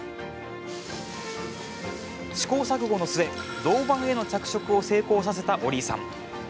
試行錯誤の末、銅板への着色を成功させた折井さん。